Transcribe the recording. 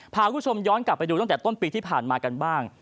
พาคุณผู้ชมย้อนกลับไปดูตั้งแต่ต้นปีที่ผ่านมากันบ้าง